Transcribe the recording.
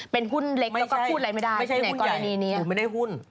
เป็นหุ้นเล็กแล้วก็พูดอะไรไม่ได้ในกรณีนี้นะครับไม่ใช่หุ้นใหญ่บุ๋มไม่ได้หุ้น